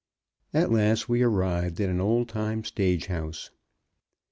At last we arrived at an old time stage house.